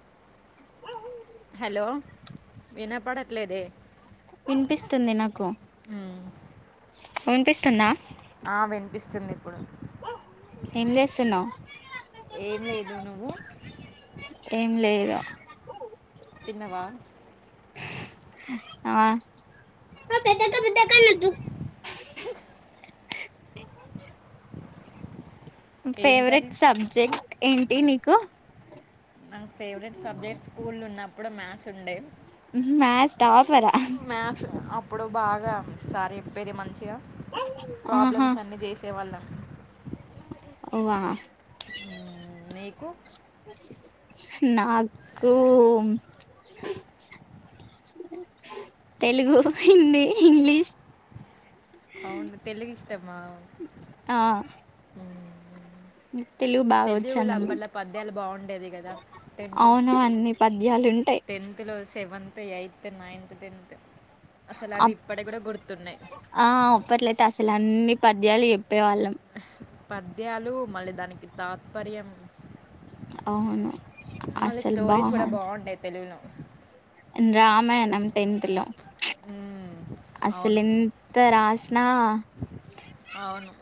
అ hello వినపడట్లేదే వినిపిస్తుంది నాకు వినిపిస్తుందా ఆ వినిపిస్తుంది ఇప్పుడు ఏం చేస్తున్నా్ ఏం లేదు నువ్వు ఏం లేదు తిన్నావా ఆ పెద్ద అక్క ఏం కర్రీ ఫేవరెట్ సబ్జెక్ట్ ఏంటి నీకు నాకు ఫేవరెట్ సబ్జెక్ట్ స్కూల్ ఉన్నప్పుడు మ్యాథ్స్ ఉండే మ్యాథ్స్ టాప్ మ్యా్స్ అప్పుడు బాగా సారి చెప్పేది మంచిగా ప్రాబ్లమ్స్ అన్ని చేసే వాళ్ళం వో మ్మ్, నీకు నాకు తెలుగు హిందీ ఇంగ్లీష్ అవును తెలుగు ఇష్టమా ఆ తెలుగు బాగా వచ్చు తెదిలో అన్నమాట అప్పట్లో పద్యాలు బాగుండేది కదా టెన్త్లో అవును అన్నిీ పద్యాలు ఉంటాయి టెన్త్లో సెవెంత్ ఎయిత్ నైన్త్ టెన్త్ అసలు అవి అప్ ఇప్పటి కూడా గుర్తున్నాయి ఆ అప్పట్లయితే అన్ని పద్యాలు చెప్పేవాళ్ళం పద్యాలు మళ్ళీ దానికి తాత్పర్యం అవును మళ్ళ అసలు స్టోరీస్ కూడా బాగుంట బాగుంటాయి తెలుగులో రామాయణం టెన్త్ లో మ్మ్. అసలు అవును ఎంత రాసినా అవును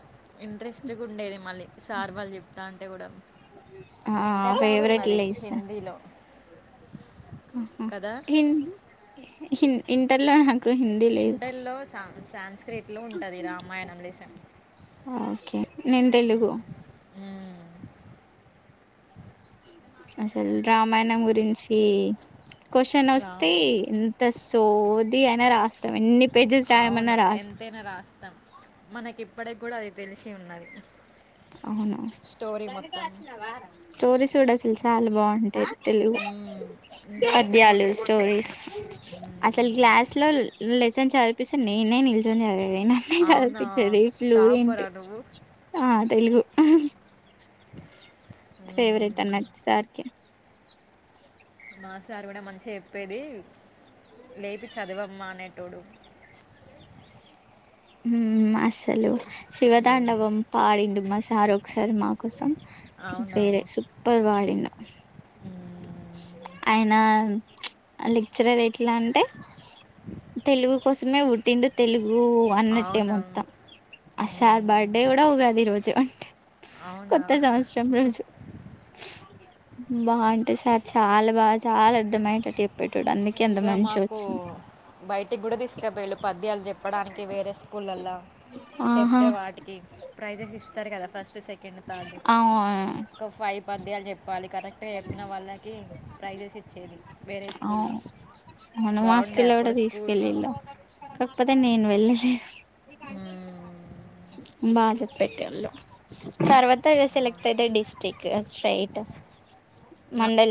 ఇంట్రెస్ట్గా ఉండేది మళ్ళీ సార్ వాళ్ళు చెప్తా అంటే కూడా ఆ ఇంటర్లో కూడా ఫేవరట్ ఉన్నది లెసన్ హిందీలో కదా హ్మ్ హిందీ ఇంటర్ లో ఇంటల్లో సా సాన్స్క్రిట్లు ఉంటుంది రామాయణం లేసన్ ఓకే నేను తెలుగు హ్మ్ అసలు రామాయణం గురించి క్వాశాన్ వస్తే రామ్ ఎంత సోది అయిన రాస్తాం ఎన్ని పేజెస్ రాయమన్నా అవును రాస్తాం ఎంతైనా రాస్తాం మనకి ఇప్పటి కూడా అది తెలిసి ఉన్నది అవును స్టోరీ మొత్తం స్టోరీస్ కూడా అసలు చాలా బాగుంటాయి తెలుగు హ్మ్. ఇంట్రెస్టింగ్‌గా పద్యాలు ఉంటాయి. స్ స్టోరీస్ అసలు హ్మ్. క్లాస్ ల్లో లెసన్ చదిపిస్తే నేనే నిల్చున్నే దాన్ని ఏదైనంటే అవునా! చదిపించేది ఫ్లూ ఏంటి టాపరా నువ్వు? ఆ తెలుగు హ్మ్. ఫేవరెట్ అన్నట్టు సార్కిే మాసారు కూడా మంచిగా చెప్పేది లేపి చదువమ్మ అనేటోడు [inaudible] హు అస్సలు శివతాండవం పడిండు మా సార్ ఒకసారి మా కోసం అవునా! సేరే సూపర్ పాడిండు హ్మ్. ఆయన లెక్చరర్ ఎట్లా అంటే తెలుగు కోసమే పుట్టిండు తెలుగు వన్నట్టే అవునా! మొత్తం ఆసార్ బర్త్డే హ్మ్. కూడా ఉగాదు రోజు అంటే అవునా బాగుంటే సార్ చాలా బాగా చాలా అర్థమ్యేటట్టు ఇంకా మాకు బయటికి కూడా దిష్ట బేల్ పద్యాలు చెప్పడానికి వేరే స్కూళల్లో ఆహా చెప్తే వాటికి ప్రైజెస్ ఇస్తారు కదా ఫస్ట్ సెకండ్ థర్డ్ అవు ఒక ఫైవ్ పద్యాలు చెప్ప పాలి కరెక్ట్గా చెప్పిన వాళ్ళకి ప్రైజెస్ ఇచ్చేది వేరే స్కూల్లో అవును మా బాగుండే స్కుల్లో కూడా అప్పుడు స్కూల్లో తీసుకెళ్ళళ్ళు కాకపోతే నేను వెళ్ళలేదు మీకు అన్ని ఈడ [inaudible] బాజ పెట్టే వాళ్ళు తర్వాత ఇగ సెలెక్ట్ అయితే డిస్టిక్ స్ట్రేట్ మండలి